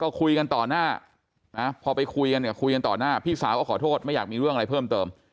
ก็คุยกันต่อหน้านะพอไปคุยกันเนี่ยคุยกันต่อหน้าพี่สาวก็ขอโทษไม่อยากมีเรื่องอะไรเพิ่มเติม